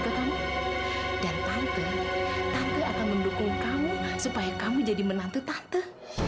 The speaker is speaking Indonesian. tante akan mendukung kamu supaya kamu jadi menantu tahte